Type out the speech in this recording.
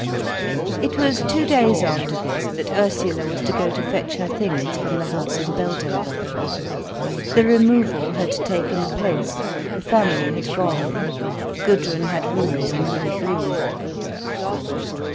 It was two days after this that Ursula was to go to fetch her things from the house in Beldover. The removal had taken place, the family had gone. Gudrun had rooms in Willey Green.